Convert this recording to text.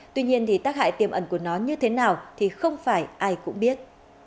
tuy nhiên thì tác hại tiềm ẩn của nó như thế nào thì không phải ai cũng biết